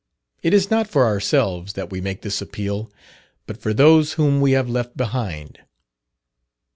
It is not for ourselves that we make this appeal, but for those whom we have left behind.